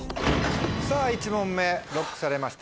さぁ１問目ＬＯＣＫされました。